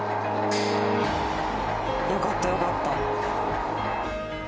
よかったよかった。